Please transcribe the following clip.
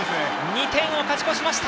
２点を勝ち越しました